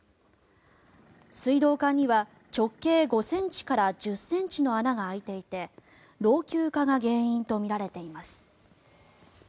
水道管には直径５ｃｍから１０ｃｍの穴が開いていて老朽化が原因とみられています。